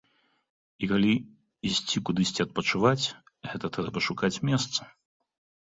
І калі ісці кудысьці адпачываць, гэта трэба шукаць месца.